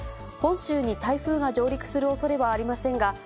本州に台風が上陸するおそれはありませんが、